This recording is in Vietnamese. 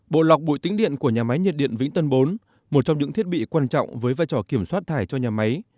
bộ lọc bụi tính điện của nhà máy nhiệt điện vĩnh tân bốn một trong những thiết bị quan trọng với vai trò kiểm soát thải cho nhà máy